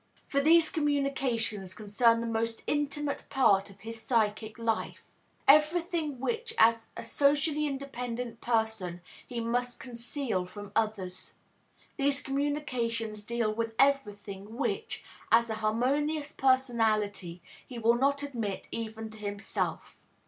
For these communications concern the most intimate part of his psychic life, everything which as a socially independent person he must conceal from others; these communications deal with everything which, as a harmonious personality, he will not admit even to himself.